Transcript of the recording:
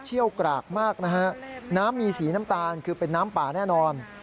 เชี่ยวกรากมากนะฮะน้ำมีสีน้ำตาลคือเป็นน้ำป่าแน่นอน